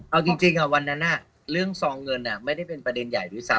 เอาจริงวันนั้นเรื่องซองเงินไม่ได้เป็นประเด็นใหญ่ด้วยซ้